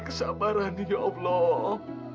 kesabaran ya allah